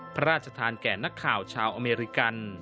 พระราชทานแก่นักข่าวชาวอเมริกัน